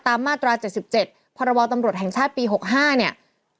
มาตรา๗๗พรบตำรวจแห่งชาติปี๖๕เนี่ย